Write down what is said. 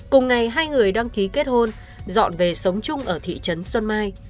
cùng ngày hai người đăng ký kết hôn dọn về sống chung ở thị trấn xuân mai